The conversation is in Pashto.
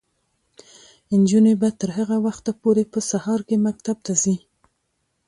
نجونې به تر هغه وخته پورې په سهار کې مکتب ته ځي.